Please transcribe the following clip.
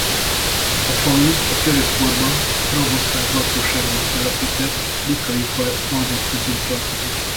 A falu a török korban pravoszláv lakossággal telepített likai falvak közé tartozik.